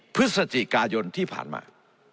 นาทีกายนที่ผ่านมา